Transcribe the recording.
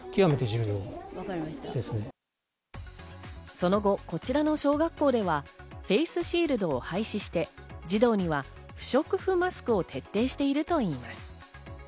その後、こちらの小学校ではフェースシールドを廃止して、児童には不織布マスクを徹底しているといいます。